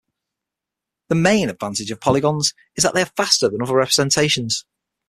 The main advantage of polygons is that they are faster than other representations.